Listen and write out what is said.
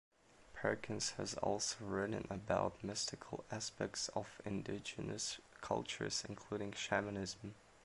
Perkins has also written about mystical aspects of indigenous cultures, including shamanism.